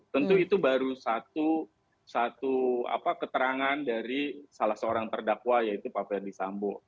tentu itu baru satu keterangan dari salah seorang terdakwa yaitu pak ferdi sambo